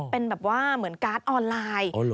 เป็นแบบว่าเหมือนการ์ดออนไลน์